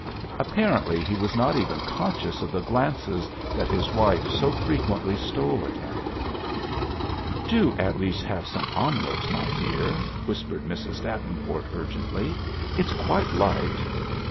Apparently he was not even conscious of the glances that his wife so frequently stole at him. "Do at least have some omelet, my dear," whispered Mrs. Davenport urgently. "It's quite light."